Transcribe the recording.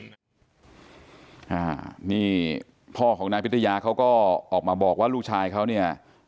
อ่านี่พ่อของนายพิทยาเขาก็ออกมาบอกว่าลูกชายเขาเนี่ย